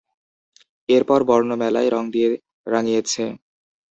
এরপর বর্ণমেলায় রং দিয়ে রাঙিয়েছে।